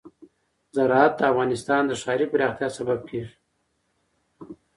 زراعت د افغانستان د ښاري پراختیا سبب کېږي.